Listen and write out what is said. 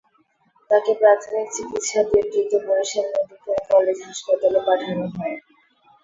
তাঁকে প্রাথমিক চিকিৎসা দিয়ে দ্রুত বরিশাল মেডিকেল কলেজ হাসপাতালে পাঠানো হয়।